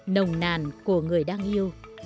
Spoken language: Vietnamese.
nồng nàn của người đang yêu